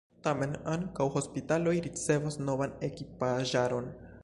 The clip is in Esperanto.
Tamen ankaŭ hospitaloj ricevos novan ekipaĵaron.